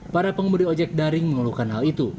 para pengemudi ojek daring mengeluhkan hal itu